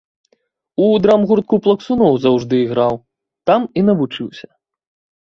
У драмгуртку плаксуноў заўжды іграў, там і навучыўся.